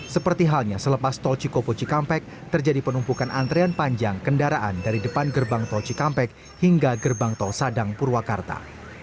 seperti halnya selepas tol cikopo cikampek terjadi penumpukan antrean panjang kendaraan dari depan gerbang tol cikampek hingga gerbang tol sadang purwakarta